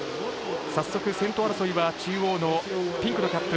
早速、先頭争いは中央のピンクのキャップ